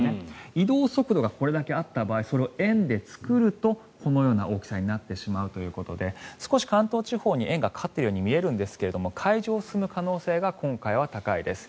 移動速度がこれだけあった場合それを円で作るとこのような大きさになってしまうということで少し関東地方に円がかかっているように見えるんですが海上を進む可能性が今回は高いです。